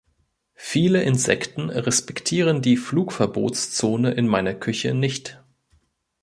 Viele Insekten respektieren die Flugverbotszone in meiner Küche nicht.